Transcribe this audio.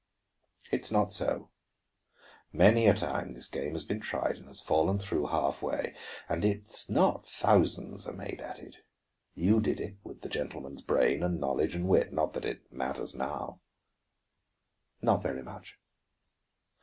"It's not so. Many a time this game has been tried and has fallen through half way; and it's not thousands are made at it. You did it, with the gentleman's brain and knowledge and wit. Not that it matters now." "Not very much.